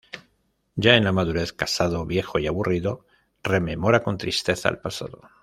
Ya en la madurez, casado, viejo y aburrido, rememora con tristeza el pasado.